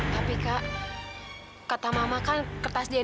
tapi kak kata mama kan kertas dia di rumah